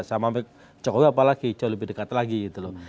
sama jokowi apalagi jauh lebih dekat lagi gitu loh